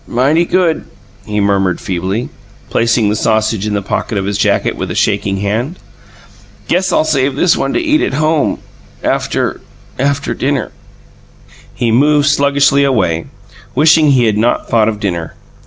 "Mighty good," he murmured feebly, placing the sausage in the pocket of his jacket with a shaking hand. "Guess I'll save this one to eat at home, after after dinner." He moved sluggishly away, wishing he had not thought of dinner.